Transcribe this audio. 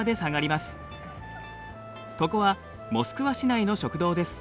ここはモスクワ市内の食堂です。